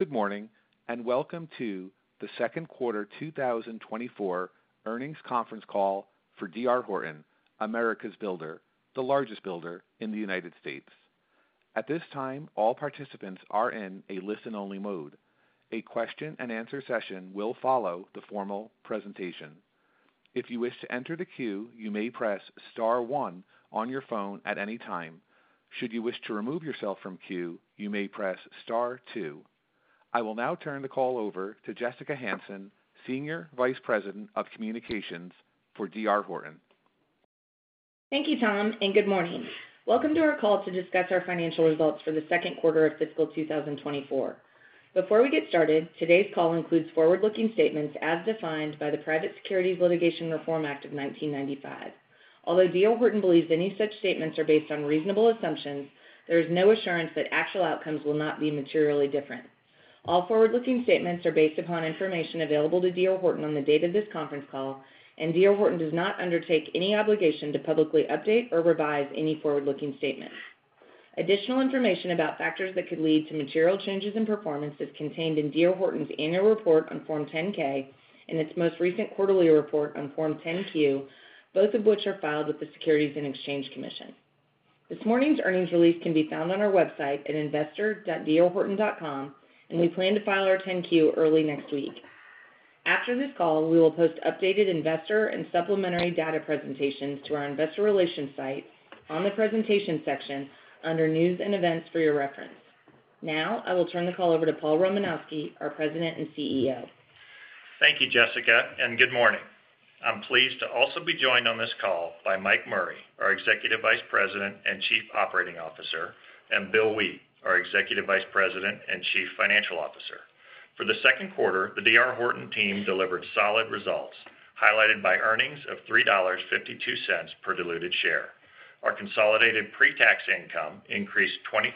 Good morning, and welcome to the second quarter 2024 earnings conference call for D.R. Horton, America's Builder, the largest builder in the United States. At this time, all participants are in a listen-only mode. A question and answer session will follow the formal presentation. If you wish to enter the queue, you may press star one on your phone at any time. Should you wish to remove yourself from queue, you may press star two. I will now turn the call over to Jessica Hansen, Senior Vice President of Communications for D.R. Horton. Thank you, Tom, and good morning. Welcome to our call to discuss our financial results for the second quarter of fiscal 2024. Before we get started, today's call includes forward-looking statements as defined by the Private Securities Litigation Reform Act of 1995. Although D.R. Horton believes any such statements are based on reasonable assumptions, there is no assurance that actual outcomes will not be materially different. All forward-looking statements are based upon information available to D.R. Horton on the date of this conference call, and D.R. Horton does not undertake any obligation to publicly update or revise any forward-looking statement. Additional information about factors that could lead to material changes in performance is contained in D.R. Horton's Annual Report on Form 10-K and its most recent quarterly report on Form 10-Q, both of which are filed with the Securities and Exchange Commission. This morning's earnings release can be found on our website at investor.drhorton.com, and we plan to file our 10-Q early next week. After this call, we will post updated investor and supplementary data presentations to our investor relations site on the Presentation section under News and Events for your reference. Now, I will turn the call over to Paul Romanowski, our President and CEO. Thank you, Jessica, and good morning. I'm pleased to also be joined on this call by Mike Murray, our Executive Vice President and Chief Operating Officer, and Bill Wheat, our Executive Vice President and Chief Financial Officer. For the second quarter, the D.R. Horton team delivered solid results, highlighted by earnings of $3.52 per diluted share. Our consolidated pretax income increased 23%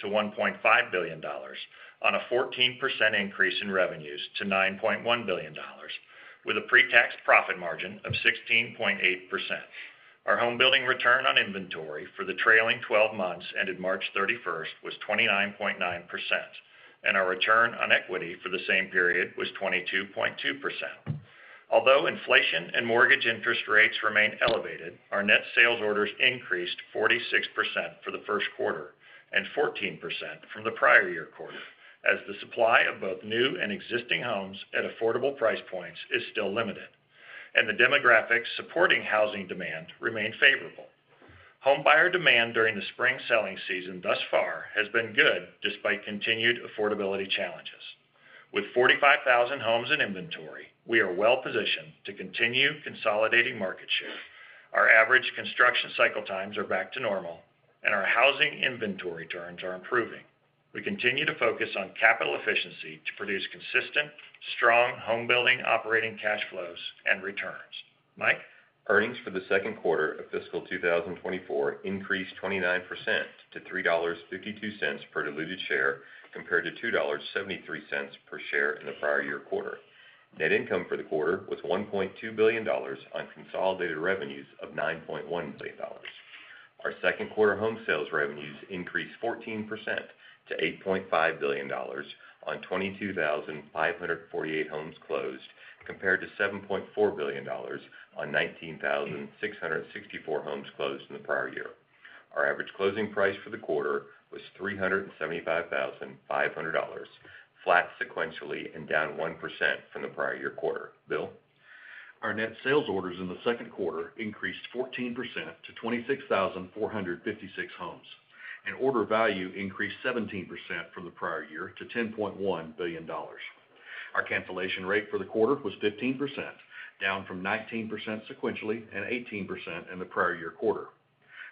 to $1.5 billion on a 14% increase in revenues to $9.1 billion, with a pretax profit margin of 16.8%. Our homebuilding return on inventory for the trailing twelve months, ended March 31, was 29.9%, and our return on equity for the same period was 22.2%. Although inflation and mortgage interest rates remain elevated, our net sales orders increased 46% for the first quarter and 14% from the prior year quarter, as the supply of both new and existing homes at affordable price points is still limited, and the demographics supporting housing demand remain favorable. Homebuyer demand during the spring selling season thus far has been good, despite continued affordability challenges. With 45,000 homes in inventory, we are well-positioned to continue consolidating market share. Our average construction cycle times are back to normal, and our housing inventory turns are improving. We continue to focus on capital efficiency to produce consistent, strong homebuilding operating cash flows and returns. Mike? Earnings for the second quarter of fiscal 2024 increased 29% to $3.52 per diluted share, compared to $2.73 per share in the prior year quarter. Net income for the quarter was $1.2 billion on consolidated revenues of $9.1 billion. Our second quarter home sales revenues increased 14% to $8.5 billion on 22,548 homes closed, compared to $7.4 billion on 19,664 homes closed in the prior year. Our average closing price for the quarter was $375,500, flat sequentially and down 1% from the prior year quarter. Bill? Our net sales orders in the second quarter increased 14% to 26,456 homes, and order value increased 17% from the prior year to $10.1 billion. Our cancellation rate for the quarter was 15%, down from 19% sequentially and 18% in the prior year quarter.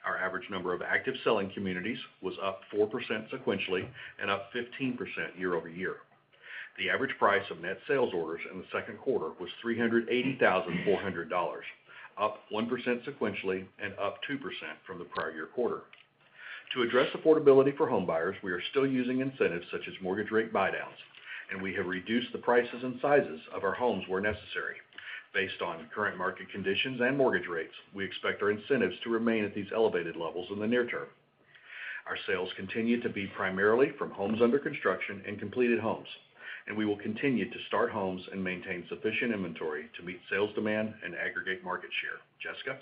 Our average number of active selling communities was up 4% sequentially and up 15% year-over-year. The average price of net sales orders in the second quarter was $380,400, up 1% sequentially and up 2% from the prior year quarter. To address affordability for homebuyers, we are still using incentives such as mortgage rate buydowns, and we have reduced the prices and sizes of our homes where necessary. Based on current market conditions and mortgage rates, we expect our incentives to remain at these elevated levels in the near term. Our sales continue to be primarily from homes under construction and completed homes, and we will continue to start homes and maintain sufficient inventory to meet sales demand and aggregate market share. Jessica?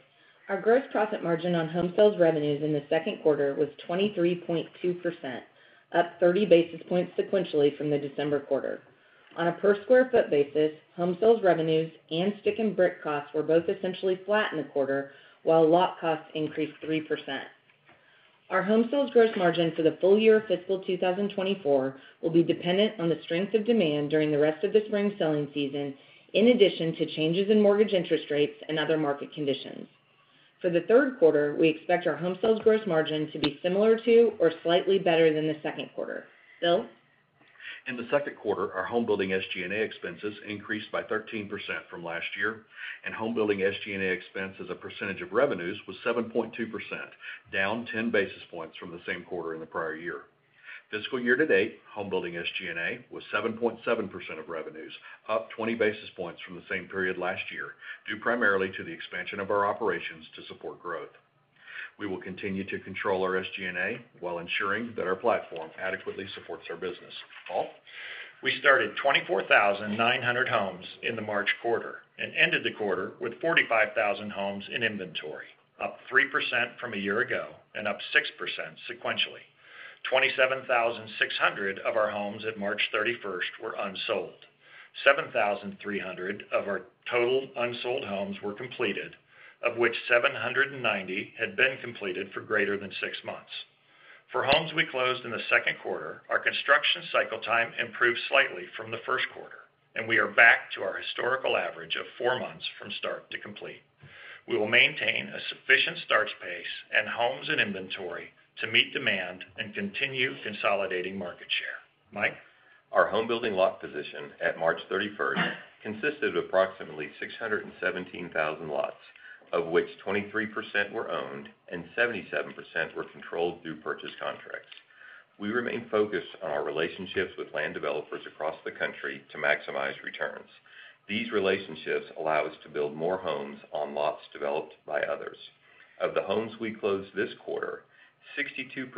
Our gross profit margin on home sales revenues in the second quarter was 23.2%, up 30 basis points sequentially from the December quarter. On a per sq ft basis, home sales revenues and stick and brick costs were both essentially flat in the quarter, while lot costs increased 3%. Our home sales gross margin for the full-year fiscal 2024 will be dependent on the strength of demand during the rest of the spring selling season, in addition to changes in mortgage interest rates and other market conditions. For the third quarter, we expect our home sales gross margin to be similar to or slightly better than the second quarter. Bill? In the second quarter, our home building SG&A expenses increased by 13% from last year, and home building SG&A expense as a percentage of revenues was 7.2%, down 10 basis points from the same quarter in the prior year. Fiscal year-to-date, home building SG&A was 7.7% of revenues, up 20 basis points from the same period last year, due primarily to the expansion of our operations to support growth. We will continue to control our SG&A while ensuring that our platform adequately supports our business. Paul? We started 24,900 homes in the March quarter and ended the quarter with 45,000 homes in inventory, up 3% from a year ago and up 6% sequentially. 27,600 of our homes at March 31 were unsold. 7,300 of our total unsold homes were completed, of which 790 had been completed for greater than 6 months. For homes we closed in the second quarter, our construction cycle time improved slightly from the first quarter, and we are back to our historical average of 4 months from start to complete. We will maintain a sufficient starts pace and homes and inventory to meet demand and continue consolidating market share. Mike? Our home building lot position at March 31st consisted of approximately 617,000 lots, of which 23% were owned and 77% were controlled through purchase contracts. We remain focused on our relationships with land developers across the country to maximize returns. These relationships allow us to build more homes on lots developed by others. Of the homes we closed this quarter, 62%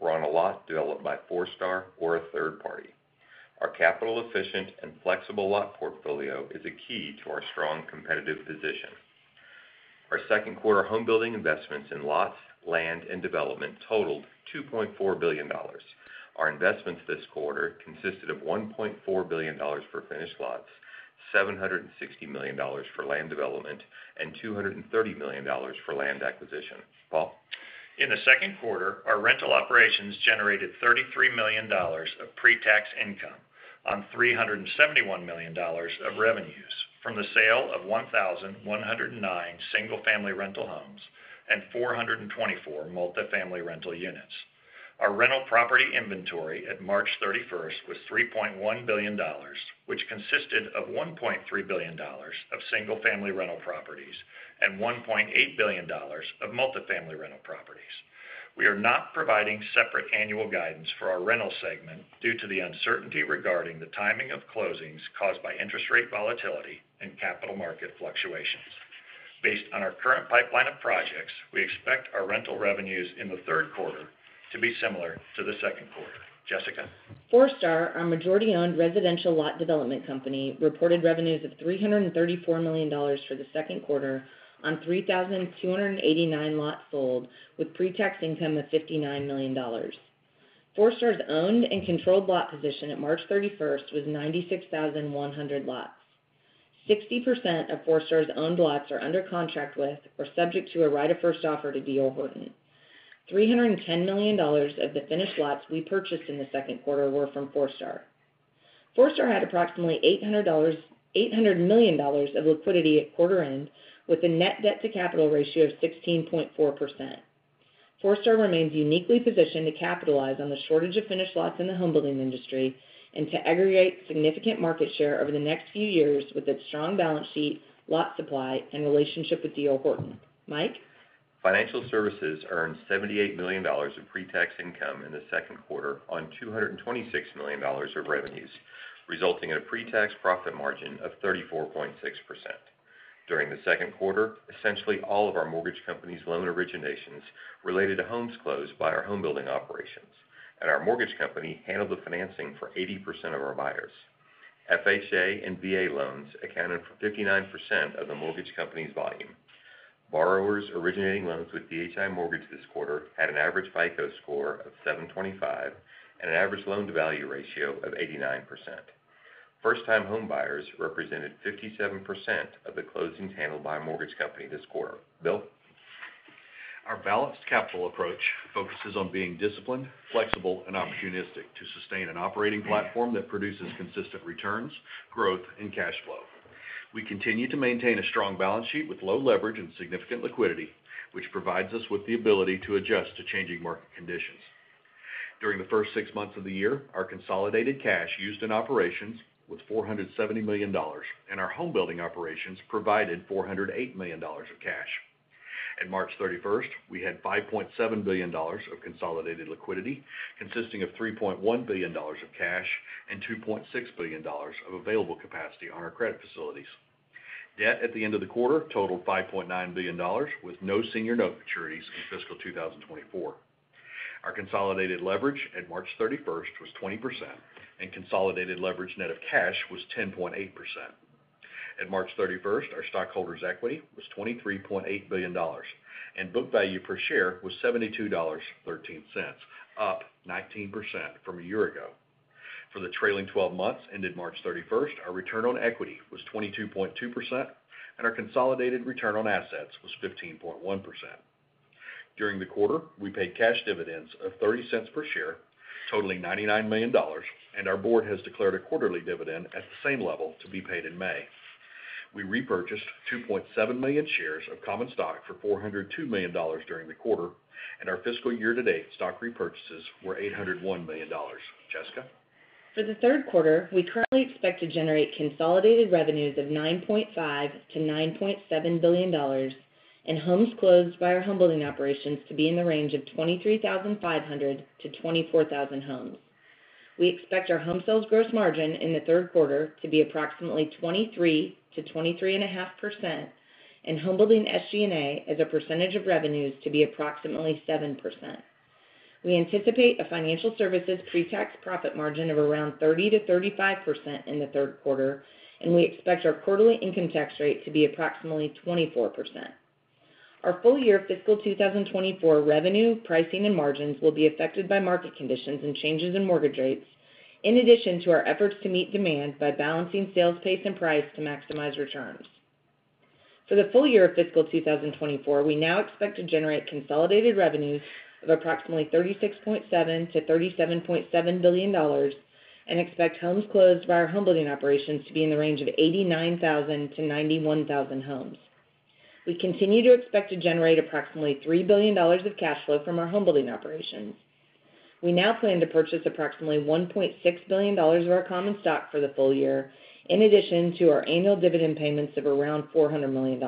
were on a lot developed by Forestar or a third party. Our capital efficient and flexible lot portfolio is a key to our strong competitive position. Our second quarter home building investments in lots, land, and development totaled $2.4 billion. Our investments this quarter consisted of $1.4 billion for finished lots, $760 million for land development, and $230 million for land acquisition. Paul? In the second quarter, our rental operations generated $33 million of pretax income on $371 million of revenues from the sale of 1,109 single-family rental homes and 424 multifamily rental units. Our rental property inventory at March 31 was $3.1 billion, which consisted of $1.3 billion of single-family rental properties and $1.8 billion of multifamily rental properties. We are not providing separate annual guidance for our rental segment due to the uncertainty regarding the timing of closings caused by interest rate volatility and capital market fluctuations. Based on our current pipeline of projects, we expect our rental revenues in the third quarter to be similar to the second quarter. Jessica? Forestar, our majority-owned residential lot development company, reported revenues of $334 million for the second quarter on 3,289 lots sold, with pretax income of $59 million. Forestar's owned and controlled lot position at March 31 was 96,100 lots. 60% of Forestar's owned lots are under contract with, or subject to a right of first offer to D.R. Horton. $310 million of the finished lots we purchased in the second quarter were from Forestar. Forestar had approximately $800 million of liquidity at quarter end, with a net debt to capital ratio of 16.4%. Forestar remains uniquely positioned to capitalize on the shortage of finished lots in the home building industry and to aggregate significant market share over the next few years with its strong balance sheet, lot supply, and relationship with D.R. Horton. Mike? Financial Services earned $78 million of pretax income in the second quarter on $226 million of revenues, resulting in a pretax profit margin of 34.6%. During the second quarter, essentially all of our mortgage company's loan originations related to homes closed by our home building operations, and our mortgage company handled the financing for 80% of our buyers. FHA and VA loans accounted for 59% of the mortgage company's volume. Borrowers originating loans with DHI Mortgage this quarter had an average FICO score of 725 and an average loan-to-value ratio of 89%. First-time homebuyers represented 57% of the closings handled by our mortgage company this quarter. Bill? Our balanced capital approach focuses on being disciplined, flexible, and opportunistic to sustain an operating platform that produces consistent returns, growth, and cash flow. We continue to maintain a strong balance sheet with low leverage and significant liquidity, which provides us with the ability to adjust to changing market conditions. During the first six months of the year, our consolidated cash used in operations was $470 million, and our home building operations provided $408 million of cash. At March 31, we had $5.7 billion of consolidated liquidity, consisting of $3.1 billion of cash and $2.6 billion of available capacity on our credit facilities. Debt at the end of the quarter totaled $5.9 billion, with no senior note maturities in fiscal 2024. Our consolidated leverage at March 31 was 20%, and consolidated leverage net of cash was 10.8%. At March 31, our stockholders' equity was $23.8 billion, and book value per share was $72.13, up 19% from a year ago. For the trailing twelve months ended March 31, our return on equity was 22.2%, and our consolidated return on assets was 15.1%. During the quarter, we paid cash dividends of $0.30 per share, totaling $99 million, and our board has declared a quarterly dividend at the same level to be paid in May. We repurchased 2.7 million shares of common stock for $402 million during the quarter, and our fiscal year-to-date stock repurchases were $801 million. Jessica? For the third quarter, we currently expect to generate consolidated revenues of $9.5 billion-$9.7 billion, and homes closed by our home building operations to be in the range of 23,500-24,000 homes. We expect our home sales gross margin in the third quarter to be approximately 23%-23.5%, and home building SG&A as a percentage of revenues to be approximately 7%. We anticipate a financial services pretax profit margin of around 30%-35% in the third quarter, and we expect our quarterly income tax rate to be approximately 24%. Our full year fiscal 2024 revenue, pricing, and margins will be affected by market conditions and changes in mortgage rates, in addition to our efforts to meet demand by balancing sales pace and price to maximize returns. For the full year of fiscal 2024, we now expect to generate consolidated revenues of approximately $36.7 billion-$37.7 billion, and expect homes closed by our home building operations to be in the range of 89,000-91,000 homes. We continue to expect to generate approximately $3 billion of cash flow from our home building operations. We now plan to purchase approximately $1.6 billion of our common stock for the full year, in addition to our annual dividend payments of around $400 million.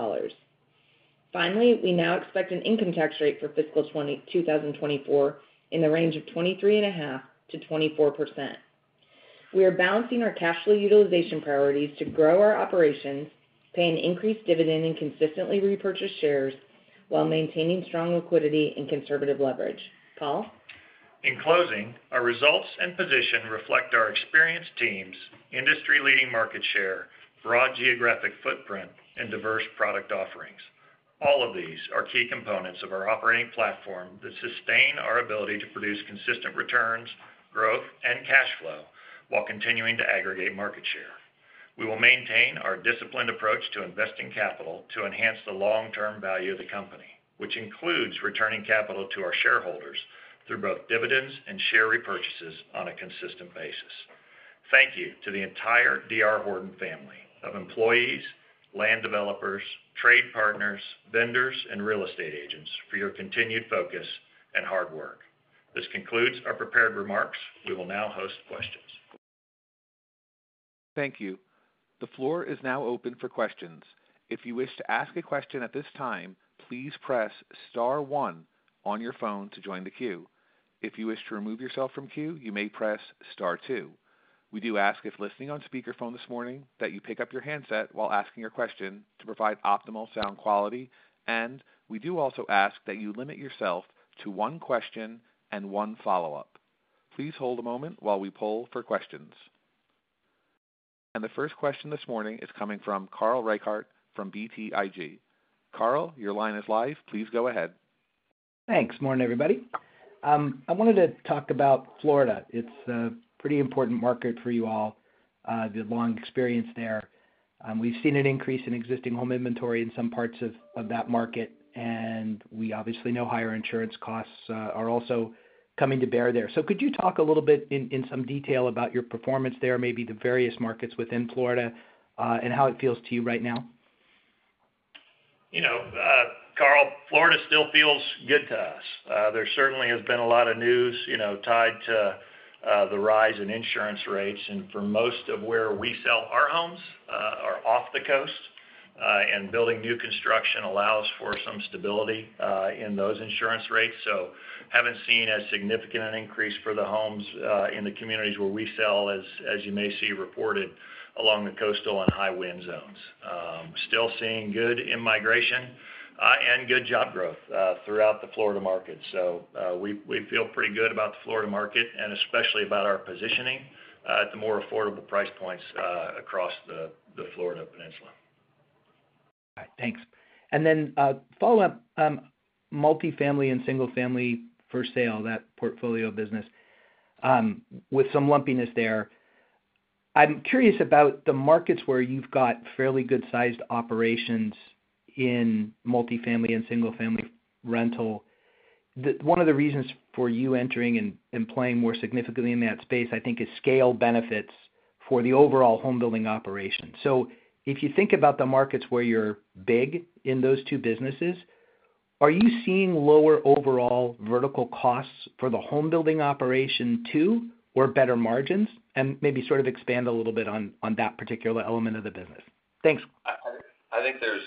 Finally, we now expect an income tax rate for fiscal 2024 in the range of 23.5%-24%. We are balancing our cash flow utilization priorities to grow our operations, pay an increased dividend and consistently repurchase shares, while maintaining strong liquidity and conservative leverage. Paul? In closing, our results and position reflect our experienced teams, industry-leading market share, broad geographic footprint, and diverse product offerings. All of these are key components of our operating platform that sustain our ability to produce consistent returns, growth, and cash flow while continuing to aggregate market share. We will maintain our disciplined approach to investing capital to enhance the long-term value of the company, which includes returning capital to our shareholders through both dividends and share repurchases on a consistent basis. Thank you to the entire D.R. Horton family of employees, land developers, trade partners, vendors, and real estate agents for your continued focus and hard work. This concludes our prepared remarks. We will now host questions. Thank you. The floor is now open for questions. If you wish to ask a question at this time, please press star one on your phone to join the queue. If you wish to remove yourself from queue, you may press star two. We do ask, if listening on speakerphone this morning, that you pick up your handset while asking your question to provide optimal sound quality, and we do also ask that you limit yourself to one question and one follow-up. Please hold a moment while we poll for questions. The first question this morning is coming from Carl Reichardt from BTIG. Carl, your line is live. Please go ahead. Thanks. Morning, everybody. I wanted to talk about Florida. It's a pretty important market for you all, the long experience there. We've seen an increase in existing home inventory in some parts of that market, and we obviously know higher insurance costs are also coming to bear there. So could you talk a little bit in some detail about your performance there, maybe the various markets within Florida, and how it feels to you right now? You know, Carl, Florida still feels good to us. There certainly has been a lot of news, you know, tied to the rise in insurance rates, and for most of where we sell our homes are off the coast, and building new construction allows for some stability in those insurance rates. So haven't seen as significant an increase for the homes in the communities where we sell as you may see reported along the coastal and high wind zones. Still seeing good in-migration and good job growth throughout the Florida market. So we feel pretty good about the Florida market and especially about our positioning at the more affordable price points across the Florida peninsula. Thanks. And then follow-up, multifamily and single family for sale, that portfolio business, with some lumpiness there. I'm curious about the markets where you've got fairly good-sized operations in multifamily and single-family rental. One of the reasons for you entering and playing more significantly in that space, I think, is scale benefits for the overall home building operation. So if you think about the markets where you're big in those two businesses, are you seeing lower overall vertical costs for the home building operation, too, or better margins? And maybe sort of expand a little bit on that particular element of the business. Thanks. I think there's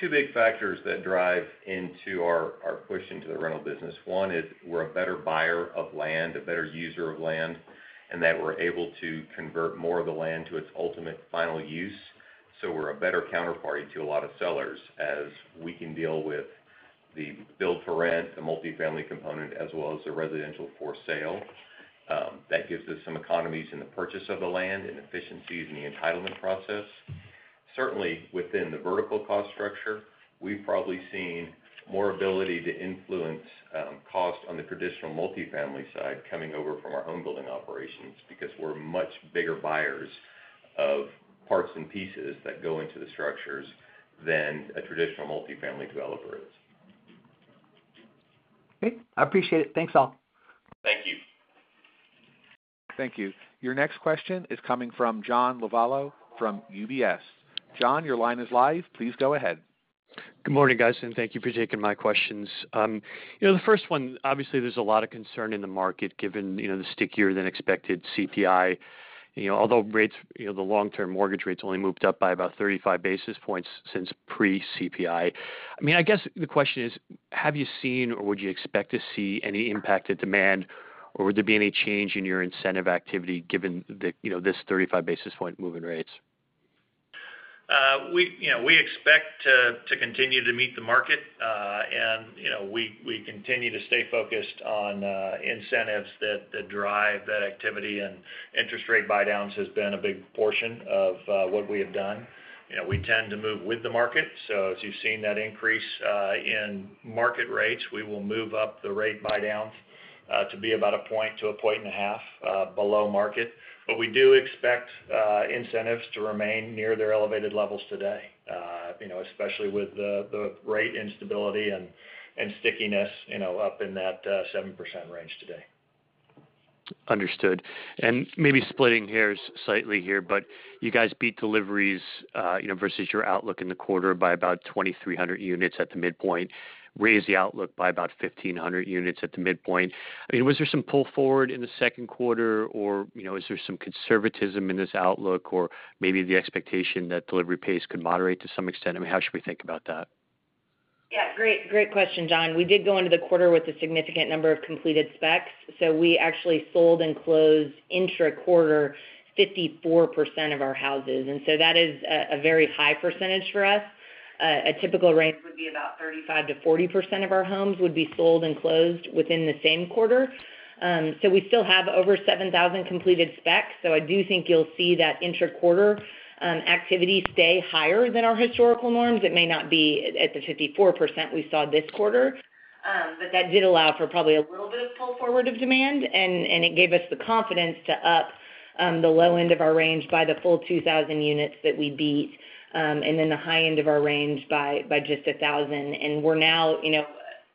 two big factors that drive into our push into the rental business. One is we're a better buyer of land, a better user of land, and that we're able to convert more of the land to its ultimate final use. So we're a better counterparty to a lot of sellers, as we can deal with the build for rent, the multifamily component, as well as the residential for sale. That gives us some economies in the purchase of the land and efficiencies in the entitlement process. Certainly, within the vertical cost structure, we've probably seen more ability to influence, cost on the traditional multifamily side coming over from our home building operations, because we're much bigger buyers of parts and pieces that go into the structures than a traditional multifamily developer is. Great. I appreciate it. Thanks, all. Thank you. Thank you. Your next question is coming from John Lovallo from UBS. John, your line is live. Please go ahead. Good morning, guys, and thank you for taking my questions. You know, the first one, obviously, there's a lot of concern in the market, given, you know, the stickier than expected CPI,... you know, although rates, you know, the long-term mortgage rates only moved up by about 35 basis points since pre-CPI. I mean, I guess the question is: have you seen or would you expect to see any impact to demand, or would there be any change in your incentive activity given the, you know, this 35 basis point move in rates? We, you know, we expect to, to continue to meet the market, and, you know, we, we continue to stay focused on, incentives that, that drive that activity, and interest rate buydowns has been a big portion of, what we have done. You know, we tend to move with the market, so as you've seen that increase, in market rates, we will move up the rate buydowns, to be about 1 point -1.5 points, below market. But we do expect, incentives to remain near their elevated levels today, you know, especially with the, the rate instability and, and stickiness, you know, up in that, 7% range today. Understood. Maybe splitting hairs slightly here, but you guys beat deliveries, you know, versus your outlook in the quarter by about 2,300 units at the midpoint, raised the outlook by about 1,500 units at the midpoint. I mean, was there some pull forward in the second quarter, or, you know, is there some conservatism in this outlook, or maybe the expectation that delivery pace could moderate to some extent? I mean, how should we think about that? Yeah, great, great question, John. We did go into the quarter with a significant number of completed specs, so we actually sold and closed intra-quarter 54% of our houses. And so that is a very high percentage for us. A typical range would be about 35%-40% of our homes would be sold and closed within the same quarter. So we still have over 7,000 completed specs, so I do think you'll see that intra-quarter activity stay higher than our historical norms. It may not be at the 54% we saw this quarter, but that did allow for probably a little bit of pull forward of demand, and it gave us the confidence to up the low end of our range by the full 2,000 units that we beat, and then the high end of our range by just 1,000. And we're now, you know,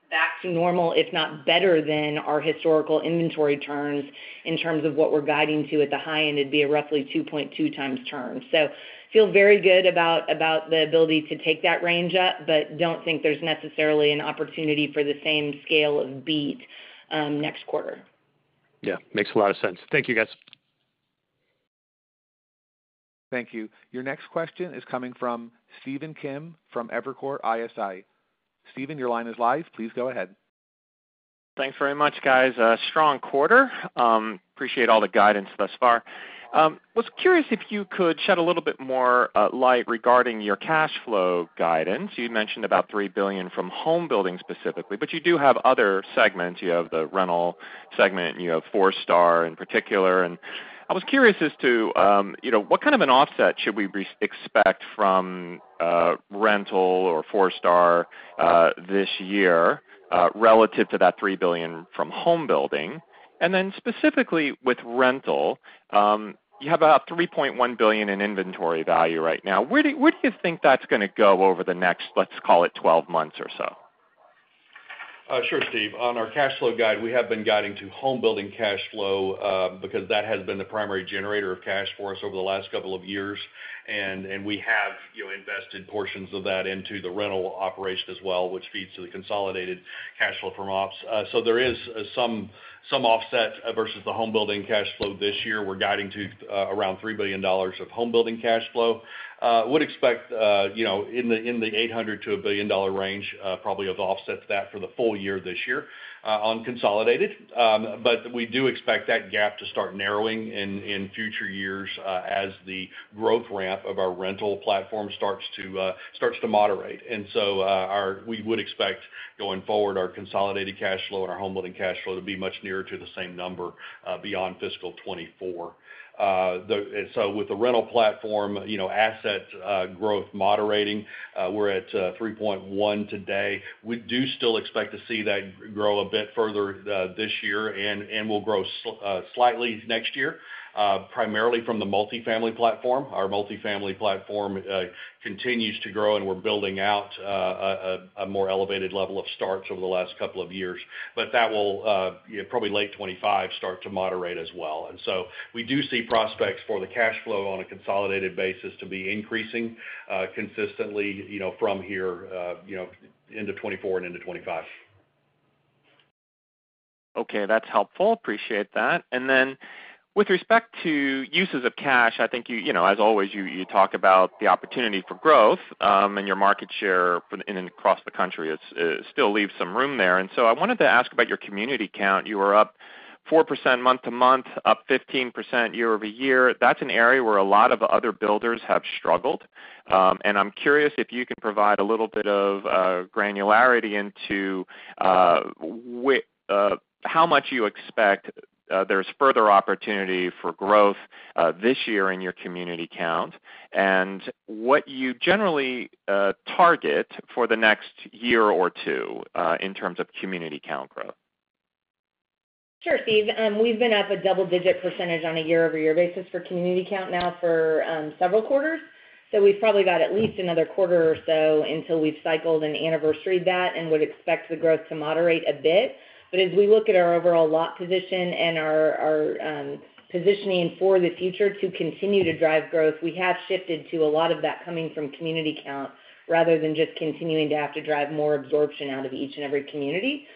back to normal, if not better than our historical inventory terms in terms of what we're guiding to at the high end, it'd be a roughly 2.2X turn. So feel very good about the ability to take that range up, but don't think there's necessarily an opportunity for the same scale of beat next quarter. Yeah, makes a lot of sense. Thank you, guys. Thank you. Your next question is coming from Stephen Kim from Evercore ISI. Stephen, your line is live. Please go ahead. Thanks very much, guys. A strong quarter. Appreciate all the guidance thus far. Was curious if you could shed a little bit more light regarding your cash flow guidance. You mentioned about $3 billion from home building specifically, but you do have other segments. You have the rental segment, you have Forestar in particular. And I was curious as to, you know, what kind of an offset should we expect from rental or Forestar this year relative to that $3 billion from home building? And then specifically with rental, you have about $3.1 billion in inventory value right now. Where do you think that's gonna go over the next, let's call it, 12 months or so? Sure, Steve. On our cash flow guide, we have been guiding to home building cash flow, because that has been the primary generator of cash for us over the last couple of years, and, and we have, you know, invested portions of that into the rental operation as well, which feeds to the consolidated cash flow from ops. So there is, some, some offset versus the home building cash flow this year. We're guiding to, around $3 billion of home building cash flow. Would expect, you know, in the, in the $800 million-$1 billion range, probably of offset to that for the full year this year, on consolidated. But we do expect that gap to start narrowing in, in future years, as the growth ramp of our rental platform starts to, starts to moderate. And so, we would expect, going forward, our consolidated cash flow and our homebuilding cash flow to be much nearer to the same number, beyond fiscal 2024. And so with the rental platform, you know, asset growth moderating, we're at 3.1 today. We do still expect to see that grow a bit further, this year and will grow slightly next year, primarily from the multifamily platform. Our multifamily platform continues to grow, and we're building out a more elevated level of starts over the last couple of years. But that will, you know, probably late 2025, start to moderate as well. We do see prospects for the cash flow on a consolidated basis to be increasing consistently, you know, from here, you know, into 2024 and into 2025. Okay, that's helpful. Appreciate that. And then, with respect to uses of cash, I think you know, as always, you talk about the opportunity for growth, and your market share for in and across the country is still leaves some room there. And so I wanted to ask about your community count. You were up 4% month-to-month, up 15% year-over-year. That's an area where a lot of other builders have struggled. And I'm curious if you could provide a little bit of granularity into how much you expect there's further opportunity for growth this year in your community count, and what you generally target for the next year or two in terms of community count growth. Sure, Steve. We've been up a double-digit percentage on a year-over-year basis for community count now for several quarters. So we've probably got at least another quarter or so until we've cycled and anniversaried that and would expect the growth to moderate a bit. But as we look at our overall lot position and our positioning for the future to continue to drive growth, we have shifted to a lot of that coming from community count, rather than just continuing to have to drive more absorption out of each and every community.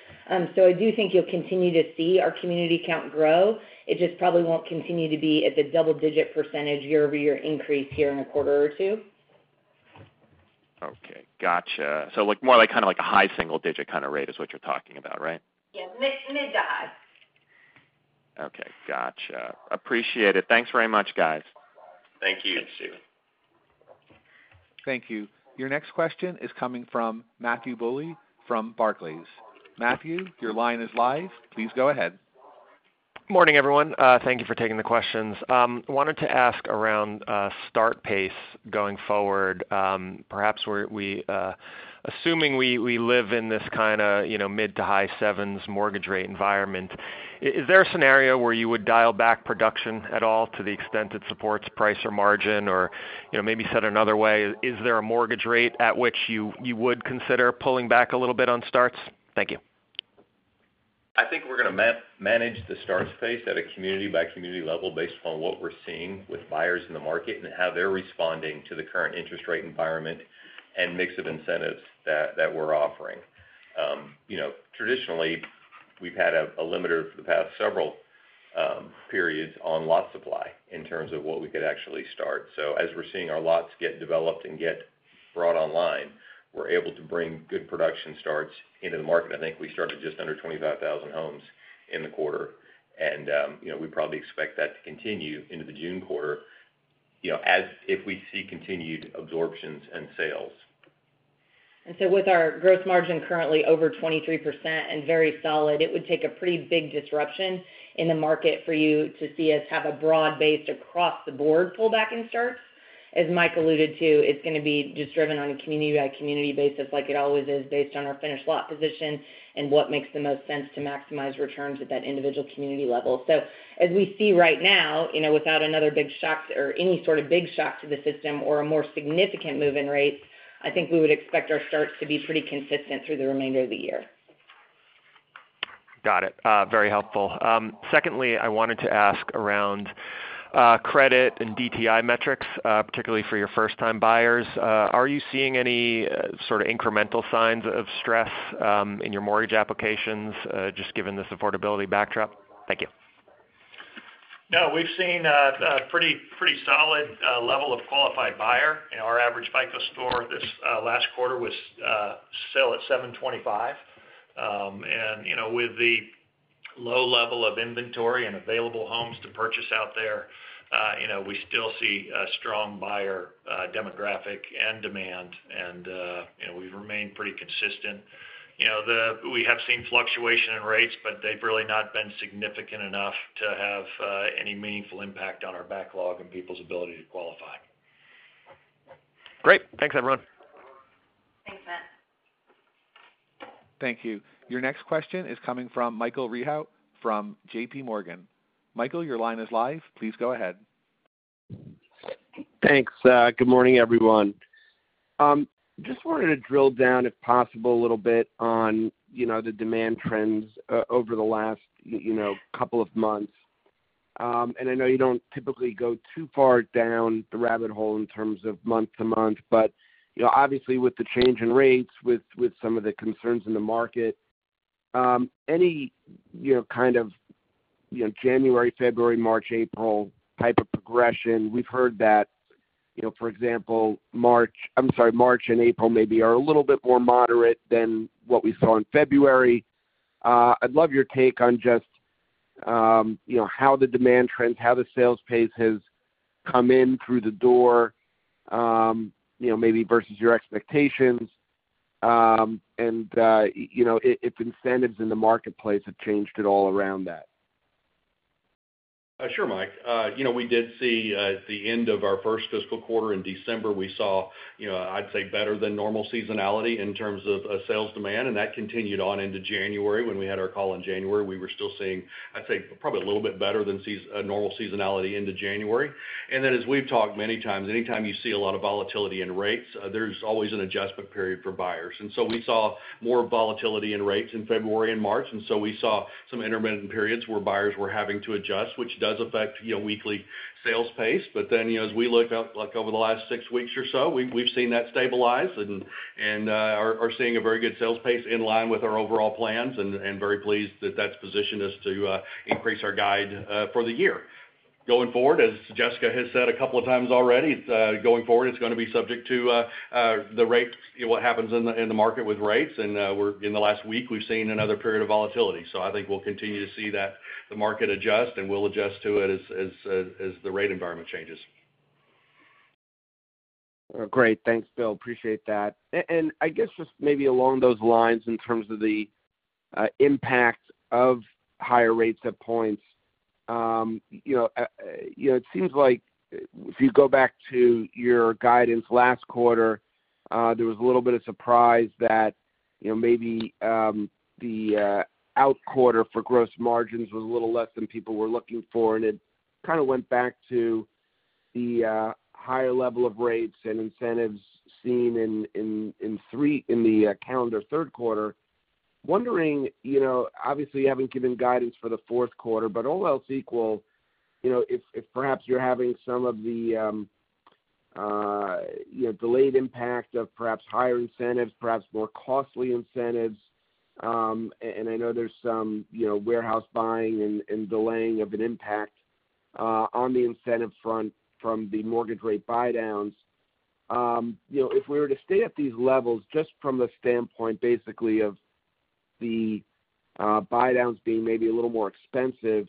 So I do think you'll continue to see our community count grow. It just probably won't continue to be at the double-digit percentage year-over-year increase here in a quarter or two.... Okay, gotcha. So like, more like kind of like a high single digit kind of rate is what you're talking about, right? Yes, mid to high. Okay, gotcha. Appreciate it. Thanks very much, guys. Thank you. Thanks, Steven. Thank you. Your next question is coming from Matthew Bouley from Barclays. Matthew, your line is live. Please go ahead. Morning, everyone. Thank you for taking the questions. Wanted to ask around start pace going forward. Perhaps, assuming we live in this kind of, you know, mid- to high-sevens mortgage rate environment, is there a scenario where you would dial back production at all to the extent it supports price or margin? Or, you know, maybe said another way, is there a mortgage rate at which you would consider pulling back a little bit on starts? Thank you. I think we're going to manage the starts pace at a community by community level based upon what we're seeing with buyers in the market and how they're responding to the current interest rate environment and mix of incentives that, that we're offering. You know, traditionally, we've had a limiter for the past several periods on lot supply in terms of what we could actually start. So as we're seeing our lots get developed and get brought online, we're able to bring good production starts into the market. I think we started just under 25,000 homes in the quarter, and, you know, we probably expect that to continue into the June quarter, you know, as if we see continued absorptions and sales. And so with our gross margin currently over 23% and very solid, it would take a pretty big disruption in the market for you to see us have a broad-based across the board pullback in starts. As Mike alluded to, it's going to be just driven on a community by community basis like it always is, based on our finished lot position and what makes the most sense to maximize returns at that individual community level. So as we see right now, you know, without another big shock or any sort of big shock to the system or a more significant move in rates, I think we would expect our starts to be pretty consistent through the remainder of the year. Got it. Very helpful. Secondly, I wanted to ask around credit and DTI metrics, particularly for your first-time buyers. Are you seeing any sort of incremental signs of stress in your mortgage applications, just given this affordability backdrop? Thank you. No, we've seen a pretty solid level of qualified buyer. You know, our average FICO score this last quarter was still at 725. And, you know, with the low level of inventory and available homes to purchase out there, you know, we still see a strong buyer demographic and demand, and, you know, we've remained pretty consistent. You know, we have seen fluctuation in rates, but they've really not been significant enough to have any meaningful impact on our backlog and people's ability to qualify. Great. Thanks, everyone. Thanks, Matt. Thank you. Your next question is coming from Michael Rehaut from JPMorgan. Michael, your line is live. Please go ahead. Thanks. Good morning, everyone. Just wanted to drill down, if possible, a little bit on, you know, the demand trends over the last, you know, couple of months. I know you don't typically go too far down the rabbit hole in terms of month-to-month, but, you know, obviously with the change in rates, with, with some of the concerns in the market, any, you know, kind of, you know, January, February, March, April type of progression, we've heard that, you know, for example, March... I'm sorry, March and April maybe are a little bit more moderate than what we saw in February. I'd love your take on just, you know, how the demand trends, how the sales pace has come in through the door, you know, maybe versus your expectations, and, you know, if incentives in the marketplace have changed at all around that. Sure, Mike. You know, we did see at the end of our first fiscal quarter in December, we saw, you know, I'd say, better than normal seasonality in terms of sales demand, and that continued on into January. When we had our call in January, we were still seeing, I'd say, probably a little bit better than normal seasonality into January. And then, as we've talked many times, anytime you see a lot of volatility in rates, there's always an adjustment period for buyers. And so we saw more volatility in rates in February and March, and so we saw some intermittent periods where buyers were having to adjust, which does affect, you know, weekly sales pace. But then, you know, as we look out, like over the last 6 weeks or so, we've seen that stabilize and are seeing a very good sales pace in line with our overall plans and very pleased that that's positioned us to increase our guide for the year. Going forward, as Jessica has said a couple of times already, going forward, it's going to be subject to the rates, you know, what happens in the market with rates, and in the last week, we've seen another period of volatility. So I think we'll continue to see that the market adjust, and we'll adjust to it as the rate environment changes. Great. Thanks, Bill. Appreciate that. I guess just maybe along those lines, in terms of the impact of higher rates at points, you know, it seems like if you go back to your guidance last quarter, there was a little bit of surprise that, you know, maybe the outlook for the quarter for gross margins was a little less than people were looking for, and it kind of went back to the higher level of rates and incentives seen in the calendar third quarter. Wondering, you know, obviously, you haven't given guidance for the fourth quarter, but all else equal, you know, if, if perhaps you're having some of the, delayed impact of perhaps higher incentives, perhaps more costly incentives, and I know there's some, you know, warehouse buying and, delaying of an impact on the incentive front from the mortgage rate buydowns. You know, if we were to stay at these levels, just from the standpoint, basically, of the, buydowns being maybe a little more expensive,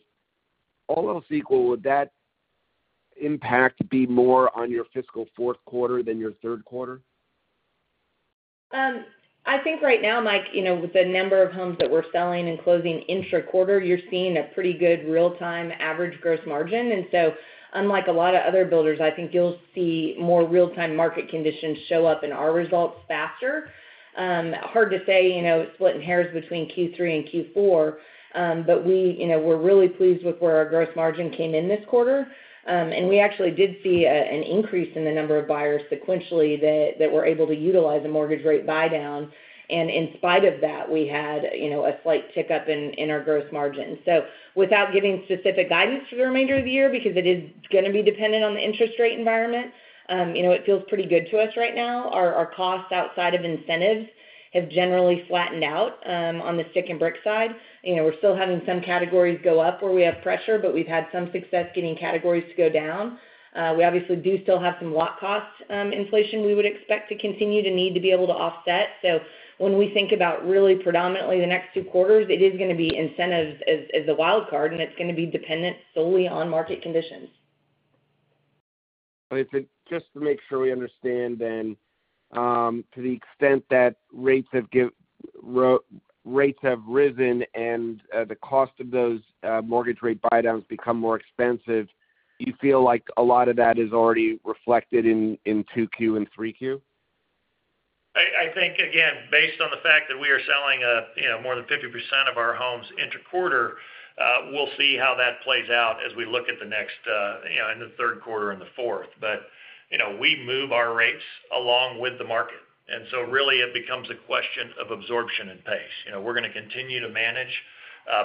all else equal, would that impact be more on your fiscal fourth quarter than your third quarter? I think right now, Mike, you know, with the number of homes that we're selling and closing intra-quarter, you're seeing a pretty good real-time average gross margin. And so, unlike a lot of other builders, I think you'll see more real-time market conditions show up in our results faster. Hard to say, you know, splitting hairs between Q3 and Q4, but we, you know, we're really pleased with where our gross margin came in this quarter. And we actually did see an increase in the number of buyers sequentially that were able to utilize the mortgage rate buydown, and in spite of that, we had, you know, a slight tick-up in our gross margin. So without giving specific guidance for the remainder of the year, because it is gonna be dependent on the interest rate environment, you know, it feels pretty good to us right now. Our, our costs outside of incentives have generally flattened out, on the stick and brick side. You know, we're still having some categories go up where we have pressure, but we've had some success getting categories to go down. We obviously do still have some lot cost, inflation we would expect to continue to need to be able to offset. So when we think about really predominantly the next two quarters, it is gonna be incentives as, as the wild card, and it's gonna be dependent solely on market conditions. But if just to make sure we understand then, to the extent that rates have risen and the cost of those mortgage rate buydowns become more expensive, do you feel like a lot of that is already reflected in 2Q and 3Q? I, I think, again, based on the fact that we are selling, you know, more than 50% of our homes inter-quarter, we'll see how that plays out as we look at the next, you know, in the third quarter and the fourth. But, you know, we move our rates along with the market, and so really it becomes a question of absorption and pace. You know, we're gonna continue to manage,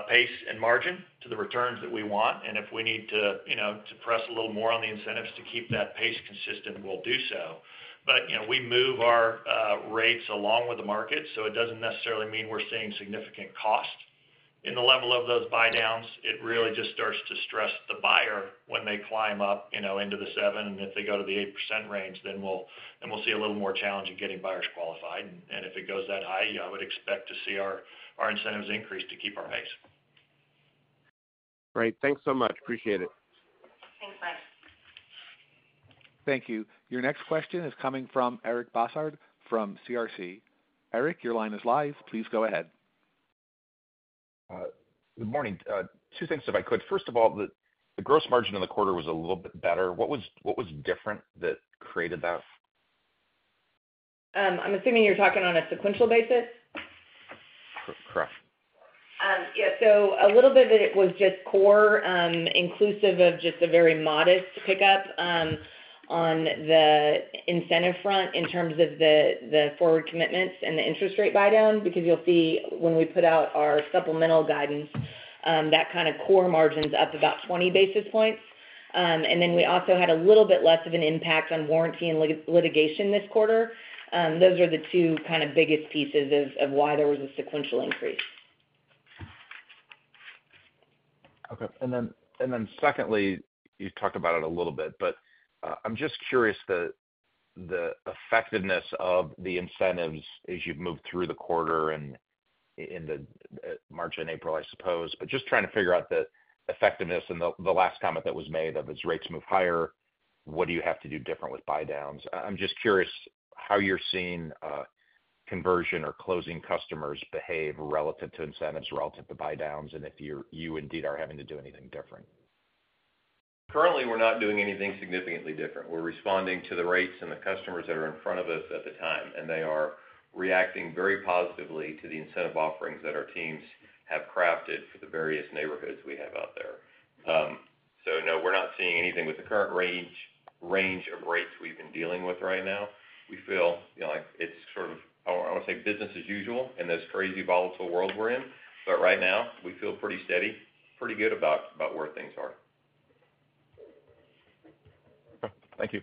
pace and margin to the returns that we want, and if we need to, you know, to press a little more on the incentives to keep that pace consistent, we'll do so. But, you know, we move our, rates along with the market, so it doesn't necessarily mean we're seeing significant cost in the level of those buydowns. It really just starts to stress the buyer when they climb up, you know, into the 7%, and if they go to the 8% range, then we'll see a little more challenge in getting buyers qualified. And if it goes that high, I would expect to see our incentives increase to keep our pace. Great. Thanks so much. Appreciate it. Thanks, Mike. Thank you. Your next question is coming from Eric Bosshard, from CRC. Eric, your line is live. Please go ahead. Good morning. Two things, if I could. First of all, the gross margin in the quarter was a little bit better. What was different that created that? I'm assuming you're talking on a sequential basis? Cor- Correct. Yeah, so a little bit of it was just core, inclusive of just a very modest pickup on the incentive front in terms of the forward commitments and the interest rate buydown, because you'll see when we put out our supplemental guidance that kind of core margin's up about 20 basis points. And then we also had a little bit less of an impact on warranty and litigation this quarter. Those are the two kind of biggest pieces of why there was a sequential increase. Okay. And then, and then secondly, you talked about it a little bit, but, I'm just curious the, the effectiveness of the incentives as you've moved through the quarter and in the, March and April, I suppose. But just trying to figure out the effectiveness and the, the last comment that was made, of as rates move higher, what do you have to do differently with buydowns? I'm just curious how you're seeing, conversion or closing customers behave relative to incentives, relative to buydowns, and if you're you indeed are having to do anything different. Currently, we're not doing anything significantly different. We're responding to the rates and the customers that are in front of us at the time, and they are reacting very positively to the incentive offerings that our teams have crafted for the various neighborhoods we have out there. So no, we're not seeing anything with the current range, range of rates we've been dealing with right now. We feel, you know, like it's sort of, I wanna say business as usual in this crazy, volatile world we're in, but right now, we feel pretty steady, pretty good about, about where things are. Thank you.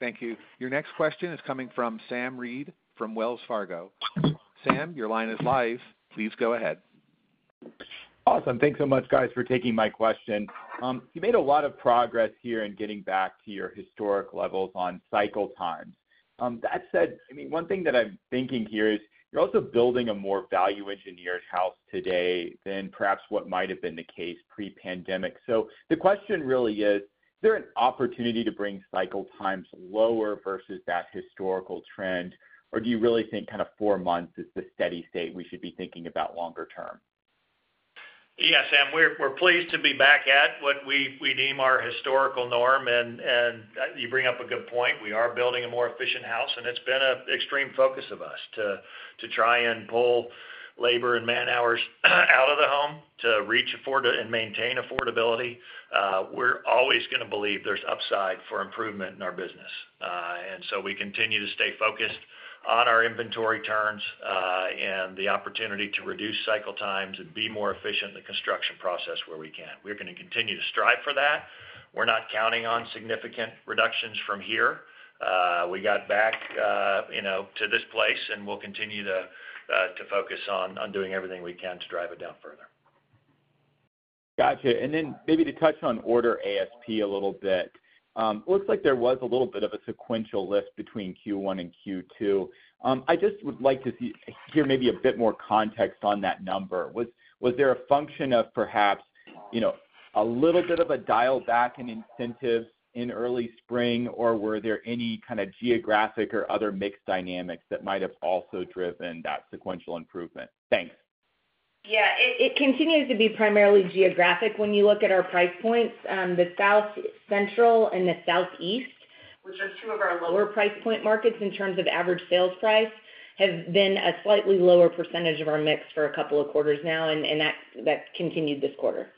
Thank you. Your next question is coming from Sam Reid from Wells Fargo. Sam, your line is live. Please go ahead. Awesome. Thanks so much, guys, for taking my question. You made a lot of progress here in getting back to your historic levels on cycle times. That said, I mean, one thing that I'm thinking here is, you're also building a more value-engineered house today than perhaps what might have been the case pre-pandemic. So the question really is: is there an opportunity to bring cycle times lower versus that historical trend, or do you really think kind of four months is the steady state we should be thinking about longer term? Yeah, Sam, we're pleased to be back at what we deem our historical norm, and you bring up a good point. We are building a more efficient house, and it's been an extreme focus of us to try and pull labor and man-hours out of the home to reach and maintain affordability. We're always gonna believe there's upside for improvement in our business. And so we continue to stay focused on our inventory turns and the opportunity to reduce cycle times and be more efficient in the construction process where we can. We're gonna continue to strive for that. We're not counting on significant reductions from here. We got back, you know, to this place, and we'll continue to focus on doing everything we can to drive it down further. Gotcha. And then maybe to touch on order ASP a little bit. It looks like there was a little bit of a sequential lift between Q1 and Q2. I just would like to hear maybe a bit more context on that number. Was there a function of perhaps, you know, a little bit of a dial back in incentives in early spring, or were there any kind of geographic or other mix dynamics that might have also driven that sequential improvement? Thanks. Yeah, it continues to be primarily geographic. When you look at our price points, the South Central and the Southeast, which are two of our lower price point markets in terms of average sales price, have been a slightly lower percentage of our mix for a couple of quarters now, and that that's continued this quarter.